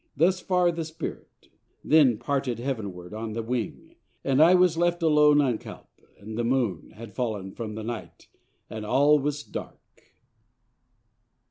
Thus far the Spirit: Then parted Heavenward on the wing: and I Was left alone on Calpe, and the Moon Had fallen from the night, and all was dark!